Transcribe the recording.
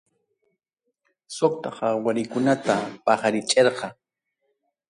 Suqta harawikunata paqarichirqa.